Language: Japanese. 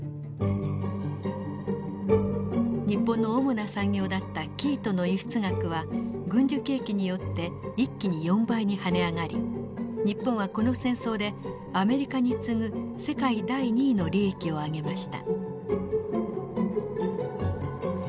日本の主な産業だった生糸の輸出額は軍需景気によって一気に４倍に跳ね上がり日本はこの戦争でアメリカに次ぐ世界第２位の利益をあげました。